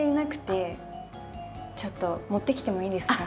ちょっと持ってきてもいいですか？